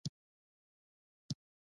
ویده کس د خوب تکراري یادونه لري